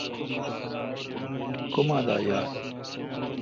تو کما دا یال؟